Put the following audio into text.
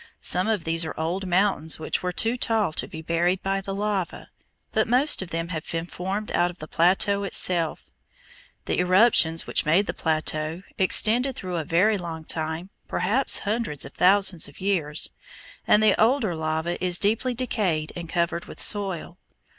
Some of these are old mountains which were too tall to be buried by the lava, but most of them have been formed out of the plateau itself. The eruptions which made the plateau extended through a very long time, perhaps hundreds of thousands of years, and the older lava is deeply decayed and covered with soil.